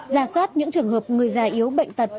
ra soát những trường hợp người già yếu bệnh tật